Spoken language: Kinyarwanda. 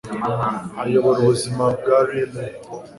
Ayobora ubuzima bwa Riley